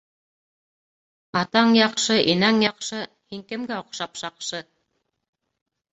Атаң яҡшы, инәң яҡшы, һин кемгә оҡшап шаҡшы?